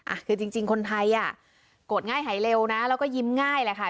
อ่ะคือจริงคนไทยกดไกลหายเร็วนะแล้วก็ยิ้มง่ายแหละค่ะ